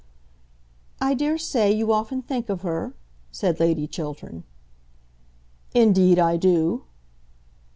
"I daresay you often think of her?" said Lady Chiltern. "Indeed, I do."